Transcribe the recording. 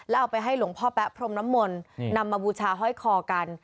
เอาไปให้หลวงพ่อแป๊พรมน้ำมนต์นำมาบูชาห้อยคอกัน